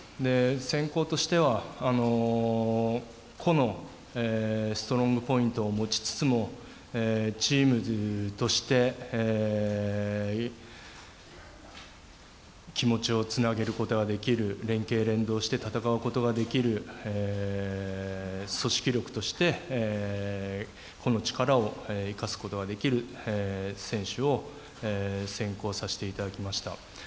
選考としては、個のストロングポイントを持ちつつもチームとして気持ちをつなげることができる連係、連動して戦うことができる、組織力としてこの力を生かすことができる選手を選考させていただきました。